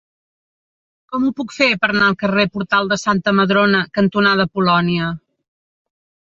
Com ho puc fer per anar al carrer Portal de Santa Madrona cantonada Polònia?